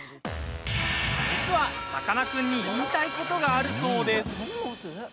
実は、さかなクンに言いたいことがあるそうです。